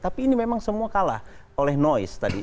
tapi ini memang semua kalah oleh noise tadi